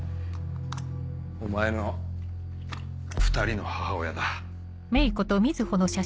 お前の２人の母親だ。